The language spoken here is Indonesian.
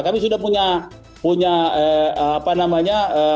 kami sudah punya prosedur